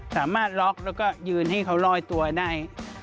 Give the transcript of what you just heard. สามารถล็อกแล้วก็ยืนให้เขาลอยตัวได้